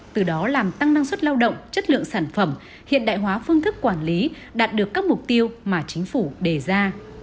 từ đó làm tăng năng suất lao động chất lượng sản phẩm hiện đại hóa phương thức quản lý đạt được các mục tiêu mà chính phủ đề ra